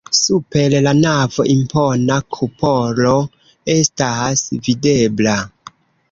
Super la navo impona kupolo estas videbla.